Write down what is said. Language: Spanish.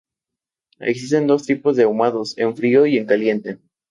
Existen dos tipos de ahumados: en frío y en caliente.